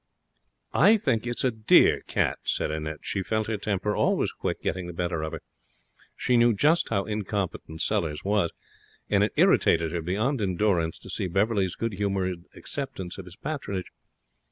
'I think it's a dear cat,' said Annette. She felt her temper, always quick, getting the better of her. She knew just how incompetent Sellers was, and it irritated her beyond endurance to see Beverley's good humoured acceptance of his patronage.